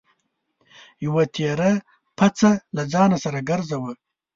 یوه تېره پڅه له ځان سره ګرځوه.